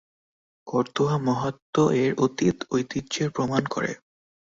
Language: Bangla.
করতোয়া মাহাত্ম্য এর অতীত ঐতিহ্যের প্রমাণ করে।